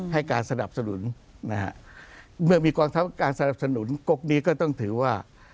ให้การสนับสนุนนะฮะเมื่อมีกองทัพการสนับสนุนกกนี้ก็ต้องถือว่า